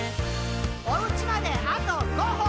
「おうちまであと５歩！」